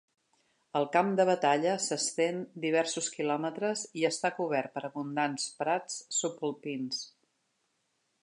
El camp de batalla s'estén diversos quilòmetres i està cobert per abundants prats subalpins.